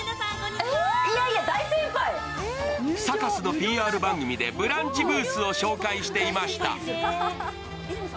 サカスのＰＲ番組で「ブランチ」ブースを紹介していました。